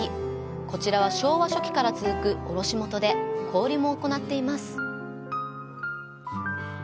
こちらは昭和初期から続く卸元で小売りも行っています。